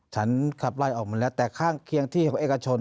ฉันขับรอยออกมาแล้ว